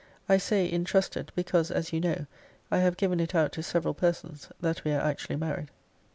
I say intrusted; because, as you know, I have given it out to several persons, that we are actually married.